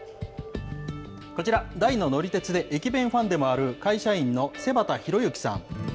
こちら、大の乗り鉄で駅弁ファンでもある、会社員の瀬端浩之さん。